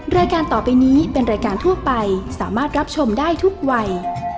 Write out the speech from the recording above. รายการต่อไปนี้เป็นรายการทั่วไปสามารถรับชมได้ทุกวัย